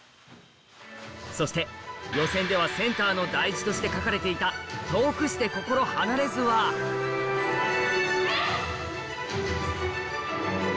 そして予選ではセンターの大字として書かれていた「遠而心不携」ははい！